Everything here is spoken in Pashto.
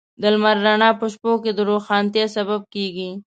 د لمر رڼا په شپو کې د روښانتیا سبب کېږي.